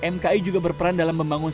mki juga berperan dalam membangun